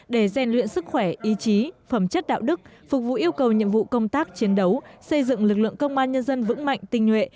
để gian luyện sức khỏe ý chí phẩm chất đạo đức phục vụ yêu cầu nhiệm vụ công tác chiến đấu xây dựng lực lượng công an nhân dân vững mạnh tinh nhuệ